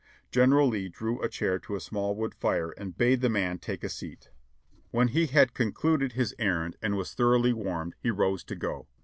General Lee drew a chair to a small wood fire and bade the man take a seat. When he had concluded his errand and was thoroughly warmed, he rose to go.